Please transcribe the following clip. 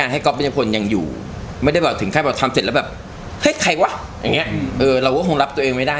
ให้มันเป็นความลับของโลกนี้ไป